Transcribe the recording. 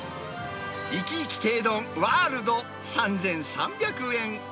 いきいき亭丼ワールド３３００円。